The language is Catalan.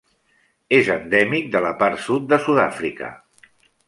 És endèmic de la part sud de Sud-Àfrica.